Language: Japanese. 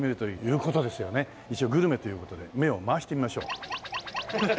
一応グルメという事で目を回してみましょう。